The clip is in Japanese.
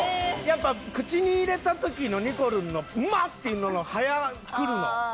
やっぱ口に入れた時のにこるんの「うまっ！」っていうのの早っくるの。